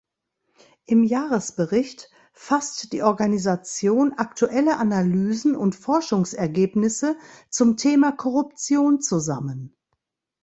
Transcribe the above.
Im Jahresbericht fasst die Organisation aktuelle Analysen und Forschungsergebnisse zum Thema Korruption zusammen.